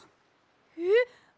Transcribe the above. えっ！？